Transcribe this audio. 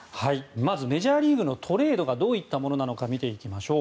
まずメジャーリーグのトレードがどういったものなのか見ていきましょう。